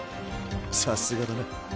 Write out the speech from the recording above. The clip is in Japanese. さすがだな。